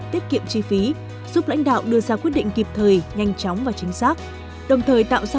tiết kiệm chi phí giúp lãnh đạo đưa ra quyết định kịp thời nhanh chóng và chính xác đồng thời tạo ra